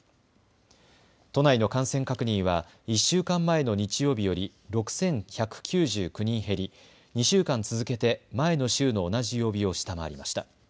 都内の感染確認は１週間前の日曜日より６１９９人減り２週間続けて前の週の同じ曜日を下回りました。